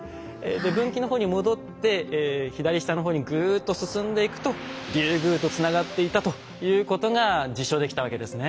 分岐の方に戻って左下の方にぐっと進んでいくと竜宮とつながっていたということが実証できたわけですね。